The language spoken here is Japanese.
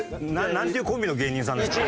なんていうコンビの芸人さんですか？